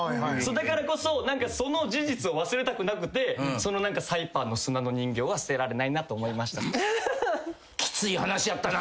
だからこそその事実を忘れたくなくてそのサイパンの砂の人形は捨てられないなと思いました。